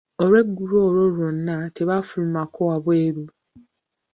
Olwegguulo olwo lwonna, tebaafulumako wabweru.